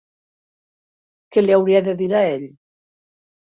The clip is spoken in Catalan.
Què li hauria de dir a ell?